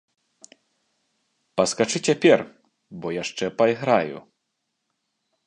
Паскачы цяпер, бо яшчэ пайграю.